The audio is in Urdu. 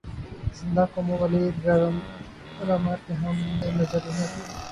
زندہ قوموں والی رمق ہم میں نظر نہیں آتی۔